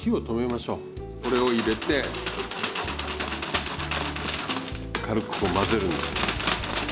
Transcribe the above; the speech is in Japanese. これを入れて軽くこう混ぜるんです。